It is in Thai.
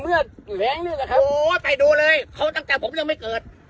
เลือดแหลงนี่แหละครับโอ้ไปดูเลยเขาตั้งแต่ผมยังไม่เกิด